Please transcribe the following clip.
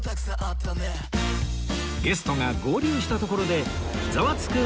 ゲストが合流したところで『ザワつく！